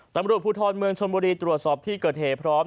ตำรวจภูทรเมืองชนบุรีตรวจสอบที่เกิดเหตุพร้อม